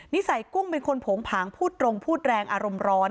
นิสัยกุ้งเป็นคนโผงผางพูดตรงพูดแรงอารมณ์ร้อน